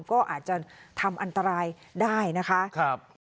ก็อาจจะทำอันตรายได้นะคะ